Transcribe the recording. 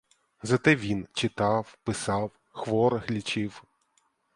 Зате він читав, писав, хворих лічив.